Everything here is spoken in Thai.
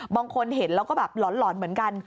บางคนเห็นแล้วก็แบบหลอนเหมือนกัน